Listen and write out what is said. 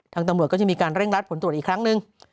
ตำรวจก็จะมีการเร่งรัดผลตรวจอีกครั้งหนึ่ง